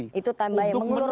itu time buying mengurur waktu